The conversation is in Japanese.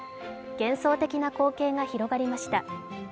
幻想的な光景が広がりました。